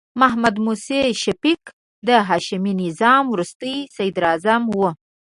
محمد موسی شفیق د شاهي نظام وروستې صدراعظم و.